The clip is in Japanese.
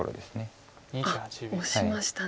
あっオシましたね。